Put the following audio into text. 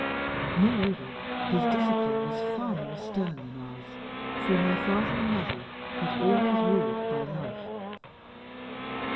Moreover, his discipline was far more stern than ours; for my father and mother had always ruled by love.